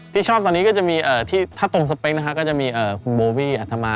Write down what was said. ที่ชอบตอนนี้ก็จะมีที่ถ้าตรงสเปคนะคะก็จะมีคุณโบวี่อัธมา